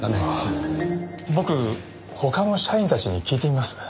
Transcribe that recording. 僕他の社員たちに聞いてみます。